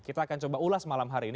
kita akan coba ulas malam hari ini